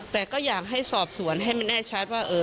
แต่ก็อยากให้สอบสวนให้มันแน่ชัดว่า